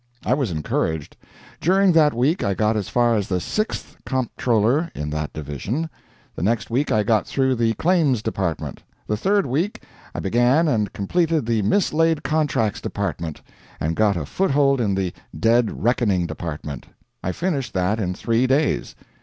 I was encouraged. During that week I got as far as the Sixth Comptroller in that division; the next week I got through the Claims Department; the third week I began and completed the Mislaid Contracts Department, and got a foothold in the Dead Reckoning Department. I finished that in three days.